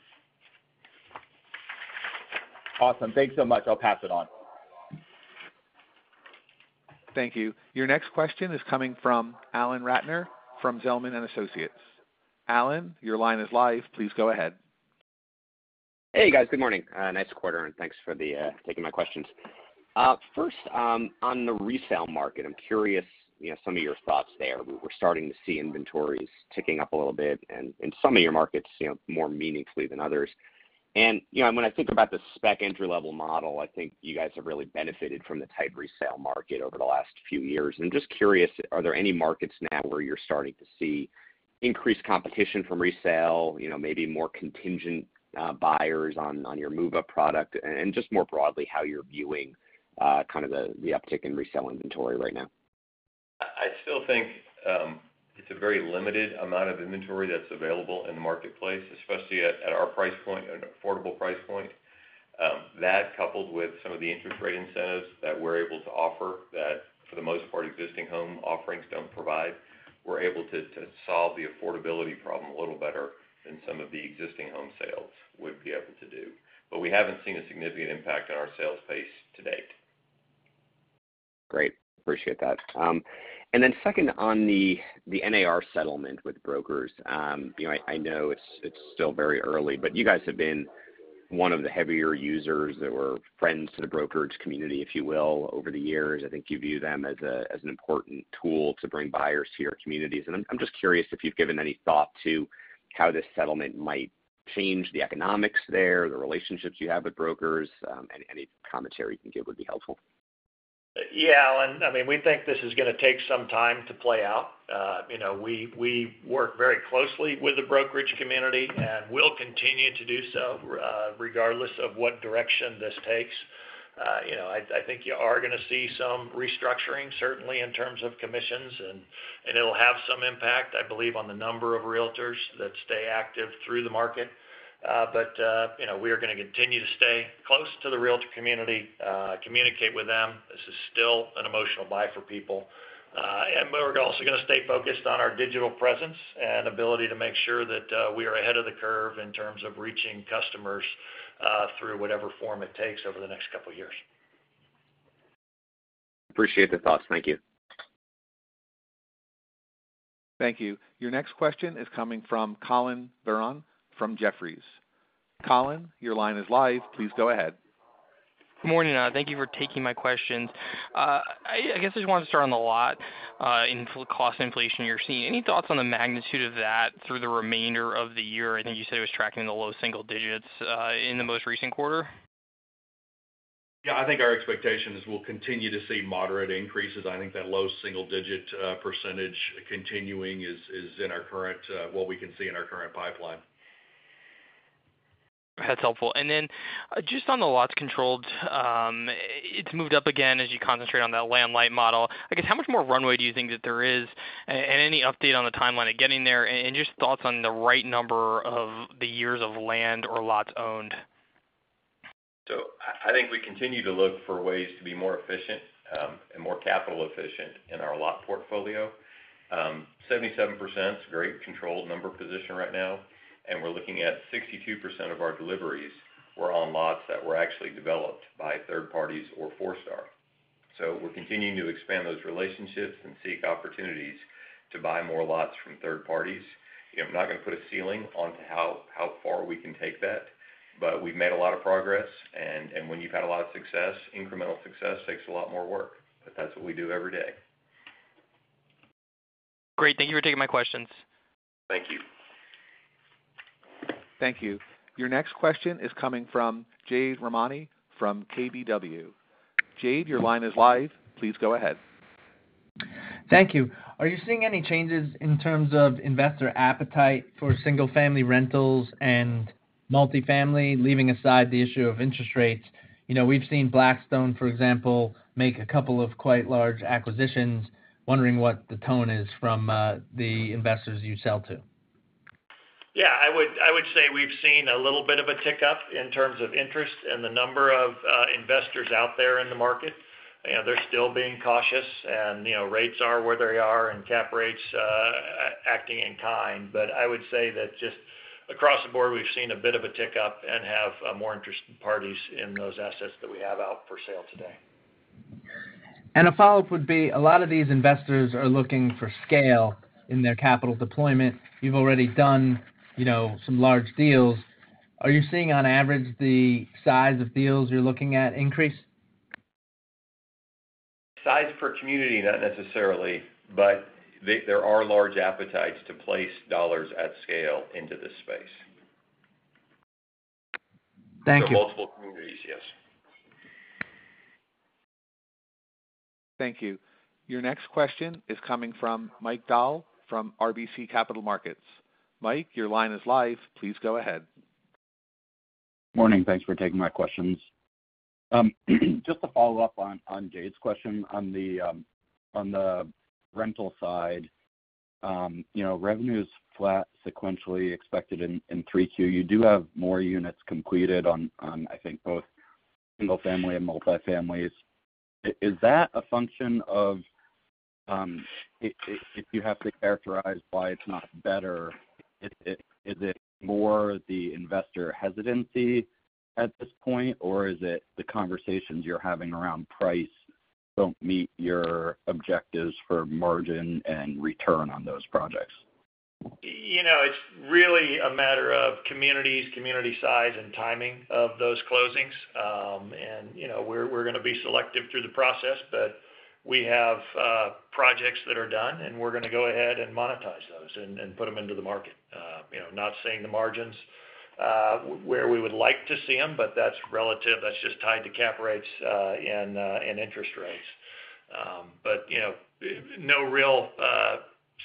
Awesome. Thank you so much. I'll pass it on. Thank you. Your next question is coming from Alan Ratner from Zelman & Associates. Alan, your line is live. Please go ahead. Hey, guys. Good morning. Nice quarter, and thanks for the taking my questions. First, on the resale market, I'm curious, you know, some of your thoughts there. We're starting to see inventories ticking up a little bit, and in some of your markets, you know, more meaningfully than others. And, you know, when I think about the spec entry-level model, I think you guys have really benefited from the tight resale market over the last few years. And I'm just curious, are there any markets now where you're starting to see increased competition from resale, you know, maybe more contingent buyers on your move-up product, and just more broadly, how you're viewing kind of the uptick in resale inventory right now? I still think it's a very limited amount of inventory that's available in the marketplace, especially at our price point, at an affordable price point. That coupled with some of the interest rate incentives that we're able to offer, that for the most part, existing home offerings don't provide, we're able to solve the affordability problem a little better than some of the existing home sales would be able to do. But we haven't seen a significant impact on our sales pace to date. Great, appreciate that. And then second, on the NAR settlement with brokers, you know, I know it's still very early, but you guys have been one of the heavier users that were friends to the brokerage community, if you will, over the years. I think you view them as an important tool to bring buyers to your communities. And I'm just curious if you've given any thought to how this settlement might change the economics there, the relationships you have with brokers, any commentary you can give would be helpful. Yeah, Alan, I mean, we think this is going to take some time to play out. You know, we work very closely with the brokerage community, and we'll continue to do so, regardless of what direction this takes. You know, I think you are going to see some restructuring, certainly in terms of commissions, and it'll have some impact, I believe, on the number of Realtors that stay active through the market. But, you know, we are going to continue to stay close to the Realtor community, communicate with them. This is still an emotional buy for people. And we're also going to stay focused on our digital presence and ability to make sure that we are ahead of the curve in terms of reaching customers, through whatever form it takes over the next couple of years. Appreciate the thoughts. Thank you. Thank you. Your next question is coming from Collin Verron from Jefferies. Collin, your line is live. Please go ahead. Good morning. Thank you for taking my questions. I guess I just want to start on the lot in cost inflation you're seeing. Any thoughts on the magnitude of that through the remainder of the year? I think you said it was tracking in the low single digits in the most recent quarter. Yeah, I think our expectation is we'll continue to see moderate increases. I think that low single-digit percentage continuing is in our current what we can see in our current pipeline. That's helpful. And then, just on the lots controlled, it's moved up again as you concentrate on that land light model. I guess, how much more runway do you think that there is, and any update on the timeline of getting there, and just thoughts on the right number of the years of land or lots owned? So I, I think we continue to look for ways to be more efficient, and more capital efficient in our lot portfolio. Seventy-seven percent is a very controlled number position right now, and we're looking at 62% of our deliveries were on lots that were actually developed by third parties or Forestar. So we're continuing to expand those relationships and seek opportunities to buy more lots from third parties. I'm not going to put a ceiling on to how, how far we can take that, but we've made a lot of progress, and, and when you've had a lot of success, incremental success takes a lot more work, but that's what we do every day. Great. Thank you for taking my questions. Thank you. Thank you. Your next question is coming from Jade Rahmani from KBW. Jade, your line is live. Please go ahead. Thank you. Are you seeing any changes in terms of investor appetite for single-family rentals and multifamily, leaving aside the issue of interest rates? You know, we've seen Blackstone, for example, make a couple of quite large acquisitions. Wondering what the tone is from the investors you sell to. Yeah, I would, I would say we've seen a little bit of a tick up in terms of interest and the number of investors out there in the market. You know, they're still being cautious and, you know, rates are where they are and cap rates acting in kind. But I would say that just across the board, we've seen a bit of a tick up and have more interested parties in those assets that we have out for sale today. A follow-up would be, a lot of these investors are looking for scale in their capital deployment. You've already done, you know, some large deals. Are you seeing, on average, the size of deals you're looking at increase? Size per community, not necessarily, but there are large appetites to place dollars at scale into this space. Thank you. For multiple communities, yes. Thank you. Your next question is coming from Mike Dahl from RBC Capital Markets. Mike, your line is live. Please go ahead. Morning. Thanks for taking my questions. Just to follow up on Jay's question, on the rental side, you know, revenue is flat sequentially expected in 3Q. You do have more units completed on, I think, both single family and multi-families. Is that a function of, if you have to characterize why it's not better, is it more the investor hesitancy at this point, or is it the conversations you're having around price don't meet your objectives for margin and return on those projects? You know, it's really a matter of communities, community size, and timing of those closings. And, you know, we're gonna be selective through the process, but we have projects that are done, and we're gonna go ahead and monetize those and put them into the market. You know, not seeing the margins where we would like to see them, but that's relative. That's just tied to cap rates and interest rates. But, you know, no real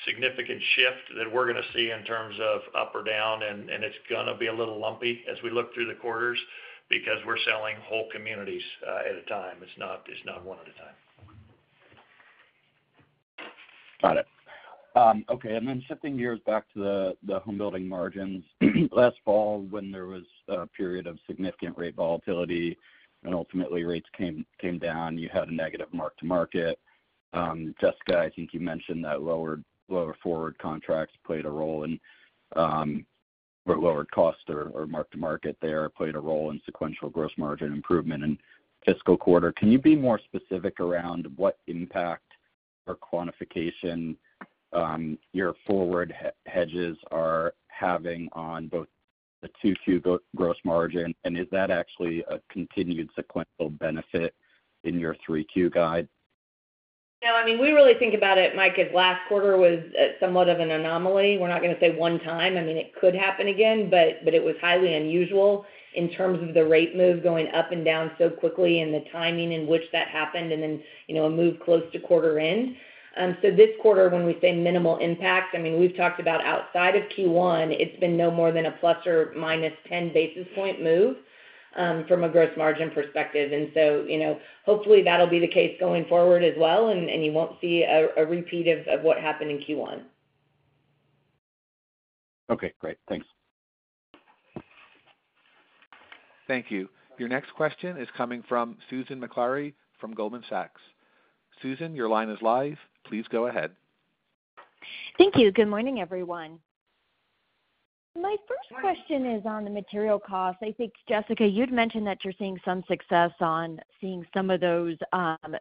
significant shift that we're gonna see in terms of up or down, and it's gonna be a little lumpy as we look through the quarters because we're selling whole communities at a time. It's not one at a time. Got it. Okay, and then shifting gears back to the, the home building margins. Last fall, when there was a period of significant rate volatility and ultimately rates came, came down, you had a negative mark-to-market. Jessica, I think you mentioned that lower, lower forward contracts played a role in, or lower costs or, or mark-to-market there played a role in sequential gross margin improvement in fiscal quarter. Can you be more specific around what impact or quantification, your forward hedges are having on both the 2Q gross margin? And is that actually a continued sequential benefit in your 3Q guide? No, I mean, we really think about it, Mike, as last quarter was somewhat of an anomaly. We're not gonna say one time. I mean, it could happen again, but, but it was highly unusual in terms of the rate move going up and down so quickly and the timing in which that happened, and then, you know, a move close to quarter end. So this quarter, when we say minimal impact, I mean, we've talked about outside of Q1, it's been no more than a ±10 basis point move from a gross margin perspective. And so, you know, hopefully, that'll be the case going forward as well, and, and you won't see a repeat of what happened in Q1. Okay, great. Thanks. Thank you. Your next question is coming from Susan Maklari from Goldman Sachs. Susan, your line is live. Please go ahead. Thank you. Good morning, everyone. My first question is on the material costs. I think, Jessica, you'd mentioned that you're seeing some success on seeing some of those,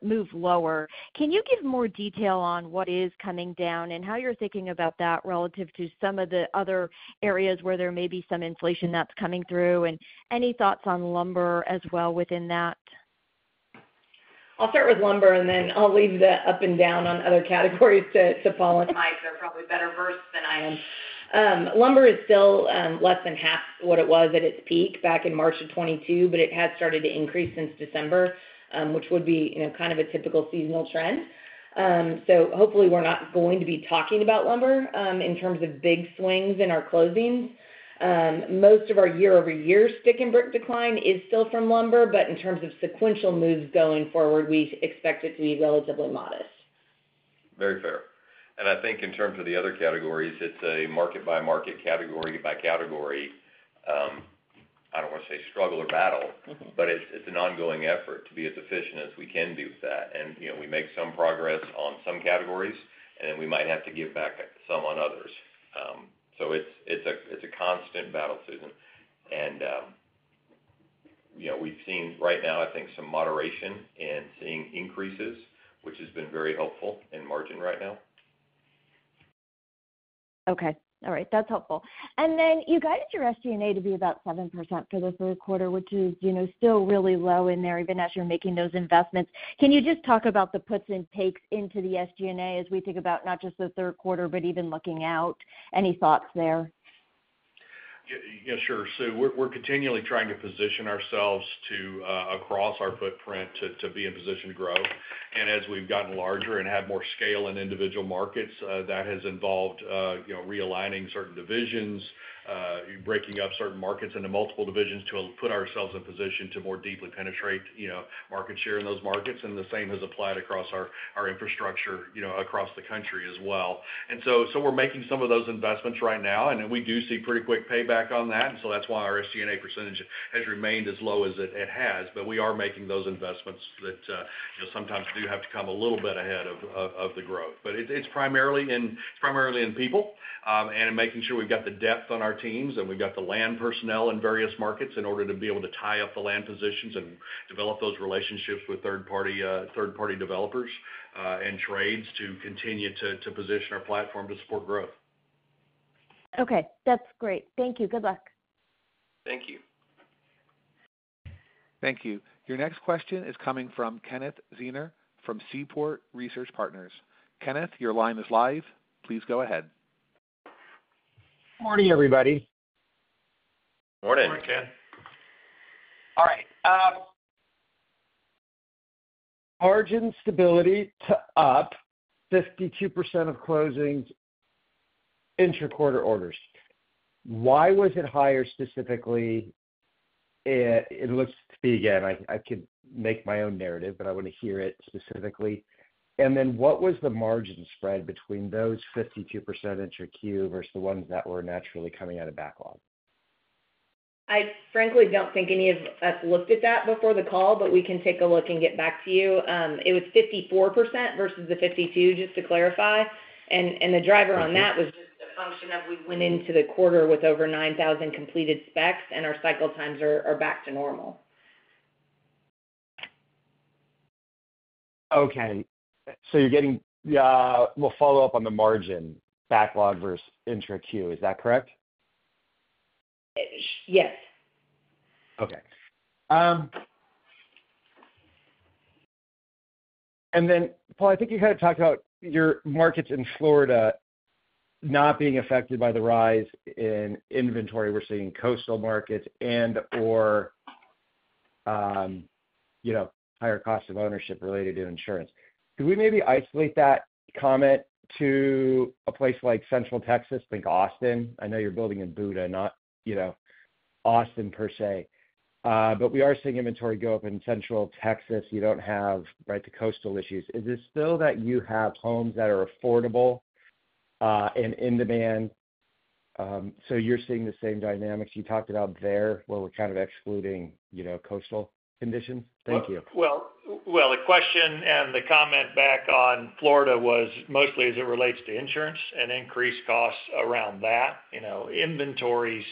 move lower. Can you give more detail on what is coming down and how you're thinking about that relative to some of the other areas where there may be some inflation that's coming through? Any thoughts on lumber as well within that? I'll start with lumber, and then I'll leave the up and down on other categories to Paul and Mike. They're probably better versed than I am. Lumber is still less than half what it was at its peak back in March of 2022, but it has started to increase since December, which would be, you know, kind of a typical seasonal trend. So hopefully, we're not going to be talking about lumber in terms of big swings in our closings. Most of our year-over-year stick and brick decline is still from lumber, but in terms of sequential moves going forward, we expect it to be relatively modest. Very fair. I think in terms of the other categories, it's a market-by-market, category-by-category, I don't wanna say struggle or battle- Mm-hmm. But it's an ongoing effort to be as efficient as we can be with that. And, you know, we make some progress on some categories, and then we might have to give back some on others. So it's a constant battle, Susan. And, you know, we've seen right now, I think, some moderation and seeing increases, which has been very helpful in margin right now. Okay, all right. That's helpful. And then you guided your SG&A to be about 7% for the third quarter, which is, you know, still really low in there, even as you're making those investments. Can you just talk about the puts and takes into the SG&A as we think about not just the third quarter, but even looking out? Any thoughts there? Yeah, sure. So we're continually trying to position ourselves across our footprint to be in position to grow. And as we've gotten larger and have more scale in individual markets, that has involved you know, realigning certain divisions, breaking up certain markets into multiple divisions to put ourselves in position to more deeply penetrate you know, market share in those markets, and the same has applied across our infrastructure you know, across the country as well. So we're making some of those investments right now, and then we do see pretty quick payback on that. And so that's why our SG&A percentage has remained as low as it has, but we are making those investments that you know, sometimes do have to come a little bit ahead of the growth. But it's primarily in, primarily in people, and in making sure we've got the depth on our teams and we've got the land personnel in various markets in order to be able to tie up the land positions and develop those relationships with third-party third-party developers and trades to continue to position our platform to support growth.... Okay, that's great. Thank you. Good luck. Thank you. Thank you. Your next question is coming from Kenneth Zener from Seaport Research Partners. Kenneth, your line is live. Please go ahead. Morning, everybody. Morning. Morning, Ken. All right. Margin stability to up 52% of closings, intra-quarter orders. Why was it higher specifically? It looks to me, again, I could make my own narrative, but I want to hear it specifically. And then what was the margin spread between those 52% intra-Q versus the ones that were naturally coming out of backlog? I frankly don't think any of us looked at that before the call, but we can take a look and get back to you. It was 54% versus the 52%, just to clarify. And the driver on that was just a function of we went into the quarter with over 9,000 completed specs, and our cycle times are back to normal. Okay. So you're getting, we'll follow up on the margin, backlog versus intra-Q. Is that correct? Yes. Okay. And then, Paul, I think you kind of talked about your markets in Florida not being affected by the rise in inventory we're seeing in coastal markets and/or, you know, higher costs of ownership related to insurance. Could we maybe isolate that comment to a place like Central Texas, think Austin? I know you're building in Buda, not, you know, Austin per se. But we are seeing inventory go up in Central Texas. You don't have, right, the coastal issues. Is it still that you have homes that are affordable, and in demand, so you're seeing the same dynamics you talked about there, where we're kind of excluding, you know, coastal conditions? Thank you. Well, well, the question and the comment back on Florida was mostly as it relates to insurance and increased costs around that. You know, inventories,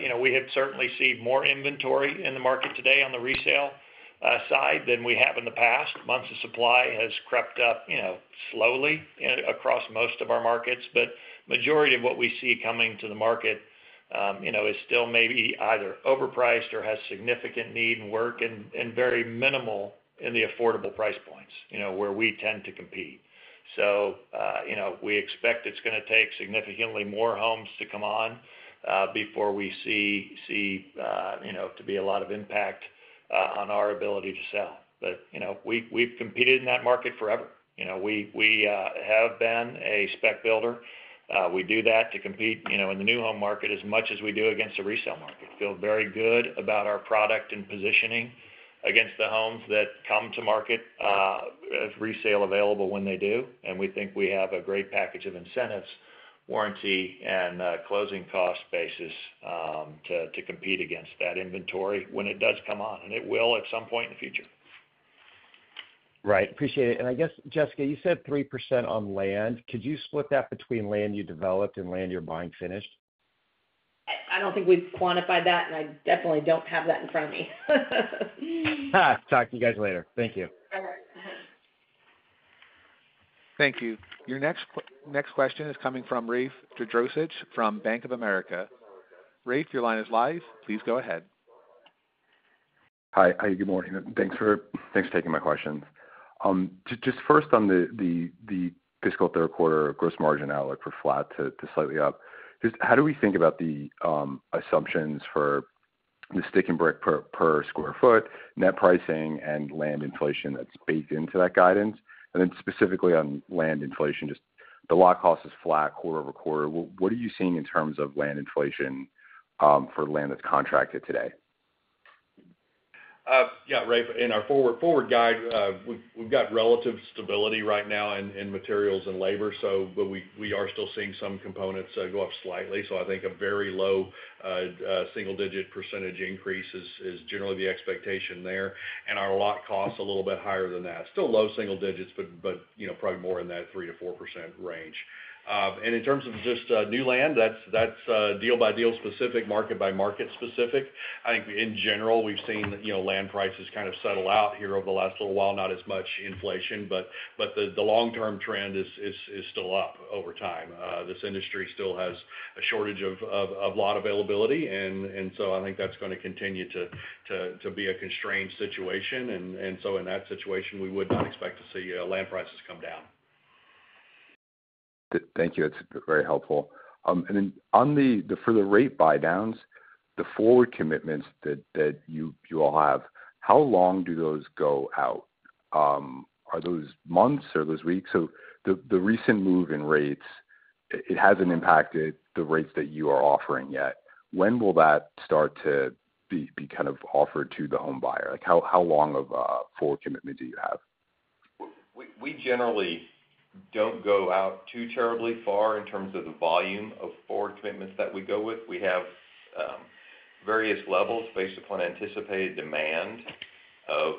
you know, we have certainly seen more inventory in the market today on the resale side than we have in the past. Months of supply has crept up, you know, slowly across most of our markets, but majority of what we see coming to the market, you know, is still maybe either overpriced or has significant need and work and very minimal in the affordable price points, you know, where we tend to compete. So, you know, we expect it's going to take significantly more homes to come on before we see, you know, to be a lot of impact on our ability to sell. But, you know, we've competed in that market forever. You know, we have been a spec builder. We do that to compete, you know, in the new home market as much as we do against the resale market. Feel very good about our product and positioning against the homes that come to market, as resale available when they do. And we think we have a great package of incentives, warranty, and closing cost basis, to compete against that inventory when it does come on, and it will at some point in the future. Right. Appreciate it. I guess, Jessica, you said 3% on land. Could you split that between land you developed and land you're buying finished? I don't think we've quantified that, and I definitely don't have that in front of me. Talk to you guys later. Thank you. All right. Thank you. Your next question is coming from Rafe Jadrosich from Bank of America. Rafe, your line is live. Please go ahead. Hi. Good morning, and thanks for taking my questions. Just first on the fiscal third quarter gross margin outlook for flat to slightly up, just how do we think about the assumptions for the stick and brick per square foot, net pricing and land inflation that's baked into that guidance? And then specifically on land inflation, just the lot cost is flat quarter-over-quarter. What are you seeing in terms of land inflation for land that's contracted today? Yeah, Rafe, in our forward guide, we've got relative stability right now in materials and labor, so but we are still seeing some components go up slightly. So I think a very low single-digit percentage increase is generally the expectation there, and our lot cost a little bit higher than that. Still low single digits, but you know, probably more in that 3%-4% range. And in terms of just new land, that's deal-by-deal specific, market-by-market specific. I think in general, we've seen, you know, land prices kind of settle out here over the last little while, not as much inflation, but the long-term trend is still up over time. This industry still has a shortage of lot availability, and so I think that's going to continue to be a constrained situation. And so in that situation, we would not expect to see land prices come down. Thank you. That's very helpful. And then on the—for the rate buy downs, the forward commitments that you all have, how long do those go out? Are those months? Are those weeks? So the recent move in rates, it hasn't impacted the rates that you are offering yet. When will that start to be kind of offered to the home buyer? Like, how long of a forward commitment do you have? We generally don't go out too terribly far in terms of the volume of forward commitments that we go with. We have various levels based upon anticipated demand of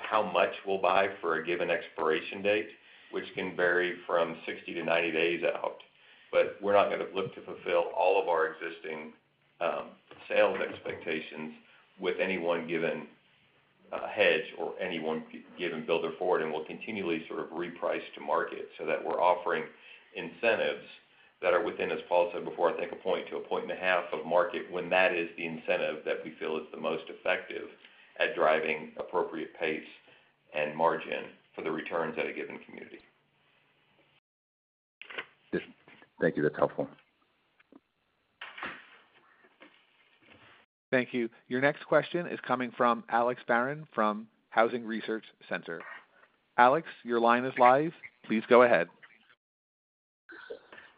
how much we'll buy for a given expiration date, which can vary from 60-90 days out. But we're not going to look to fulfill all of our existing sales expectations with any one given... a hedge or any one given builder forward, and we'll continually sort of reprice to market so that we're offering incentives that are within, as Paul said before, I think 1 point-1.5 points of market when that is the incentive that we feel is the most effective at driving appropriate pace and margin for the returns at a given community. Thank you. That's helpful. Thank you. Your next question is coming from Alex Barron from Housing Research Center. Alex, your line is live. Please go ahead.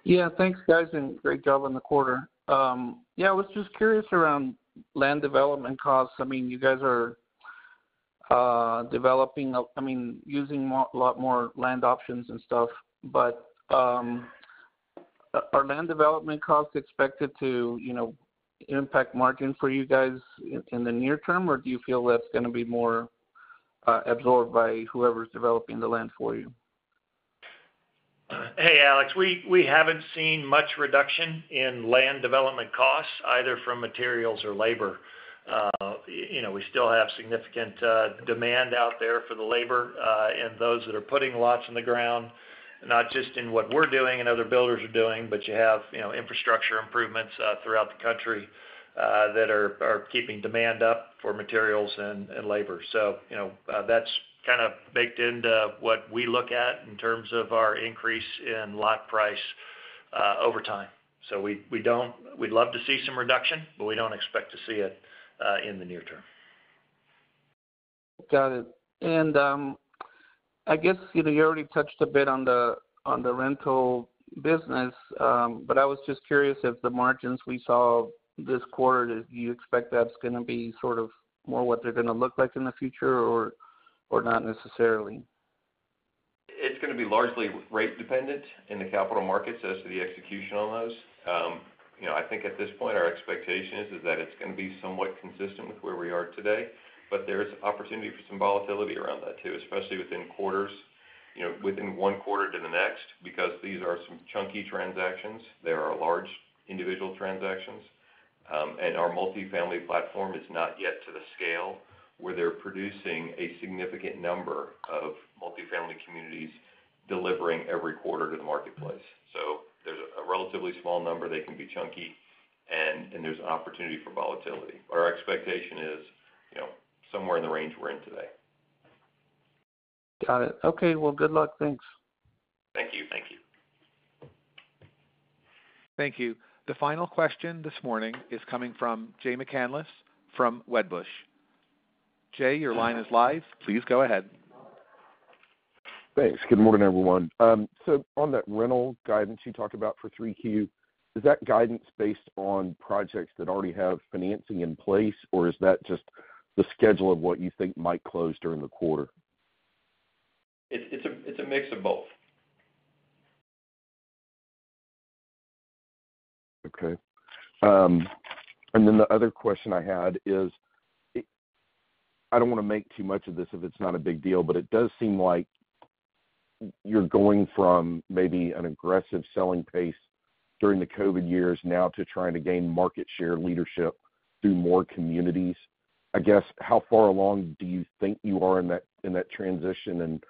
Yeah, thanks, guys, and great job on the quarter. Yeah, I was just curious around land development costs. I mean, you guys are developing, I mean, using more, a lot more land options and stuff, but are land development costs expected to, you know, impact margin for you guys in the near term, or do you feel that's gonna be more absorbed by whoever's developing the land for you? Hey, Alex, we haven't seen much reduction in land development costs, either from materials or labor. You know, we still have significant demand out there for the labor, and those that are putting lots on the ground, not just in what we're doing and other builders are doing, but you have, you know, infrastructure improvements throughout the country that are keeping demand up for materials and labor. So, you know, that's kind of baked into what we look at in terms of our increase in lot price over time. So we don't-- We'd love to see some reduction, but we don't expect to see it in the near term. Got it. And, I guess, you know, you already touched a bit on the, on the rental business, but I was just curious if the margins we saw this quarter, do you expect that's gonna be sort of more what they're gonna look like in the future, or, or not necessarily? It's gonna be largely rate dependent in the capital markets as to the execution on those. You know, I think at this point, our expectation is that it's gonna be somewhat consistent with where we are today, but there is opportunity for some volatility around that, too, especially within quarters, you know, within one quarter to the next, because these are some chunky transactions. They are large individual transactions, and our multifamily platform is not yet to the scale where they're producing a significant number of multifamily communities delivering every quarter to the marketplace. So there's a relatively small number, they can be chunky, and there's an opportunity for volatility. But our expectation is, you know, somewhere in the range we're in today. Got it. Okay. Well, good luck. Thanks. Thank you. Thank you. Thank you. The final question this morning is coming from Jay McCanless from Wedbush. Jay, your line is live. Please go ahead. Thanks. Good morning, everyone. So on that rental guidance you talked about for 3Q, is that guidance based on projects that already have financing in place, or is that just the schedule of what you think might close during the quarter? It's a mix of both. Okay. And then the other question I had is, I don't wanna make too much of this if it's not a big deal, but it does seem like you're going from maybe an aggressive selling pace during the COVID years now to trying to gain market share leadership through more communities. I guess, how far along do you think you are in that, in that transition? And,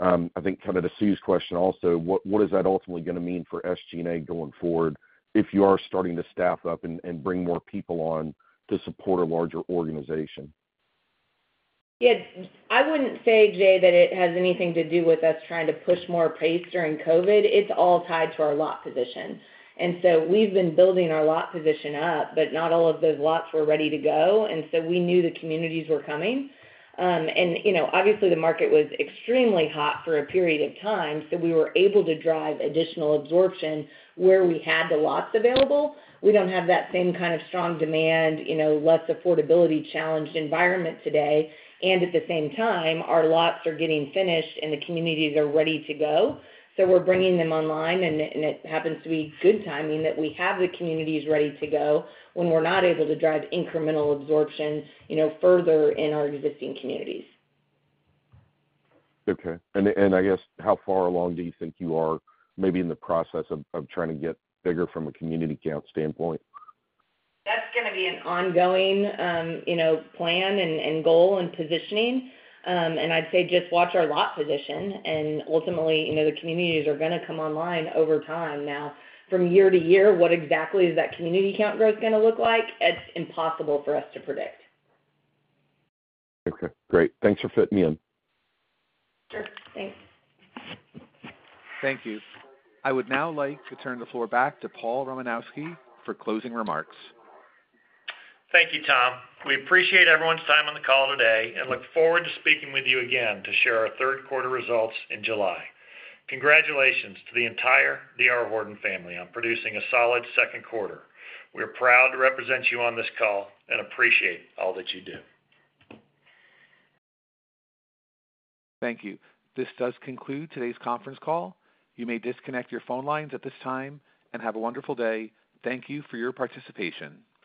I think kind of to Sue's question also, what, what is that ultimately gonna mean for SG&A going forward if you are starting to staff up and, and bring more people on to support a larger organization? Yes. I wouldn't say, Jay, that it has anything to do with us trying to push more pace during COVID. It's all tied to our lot position. And so we've been building our lot position up, but not all of those lots were ready to go, and so we knew the communities were coming. And, you know, obviously, the market was extremely hot for a period of time, so we were able to drive additional absorption where we had the lots available. We don't have that same kind of strong demand, you know, less affordability-challenged environment today, and at the same time, our lots are getting finished, and the communities are ready to go. So we're bringing them online, and it happens to be good timing that we have the communities ready to go when we're not able to drive incremental absorption, you know, further in our existing communities. Okay. And I guess, how far along do you think you are maybe in the process of trying to get bigger from a community count standpoint? That's gonna be an ongoing, you know, plan and, and goal and positioning. And I'd say, just watch our lot position, and ultimately, you know, the communities are gonna come online over time. Now, from year to year, what exactly is that community count growth gonna look like? It's impossible for us to predict. Okay, great. Thanks for fitting me in. Sure. Thanks. Thank you. I would now like to turn the floor back to Paul Romanowski for closing remarks. Thank you, Tom. We appreciate everyone's time on the call today and look forward to speaking with you again to share our third quarter results in July. Congratulations to the entire D.R. Horton family on producing a solid second quarter. We are proud to represent you on this call and appreciate all that you do. Thank you. This does conclude today's conference call. You may disconnect your phone lines at this time, and have a wonderful day. Thank you for your participation.